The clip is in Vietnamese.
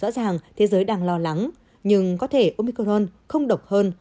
rõ ràng thế giới đang lo lắng nhưng có thể omicron không độc hơn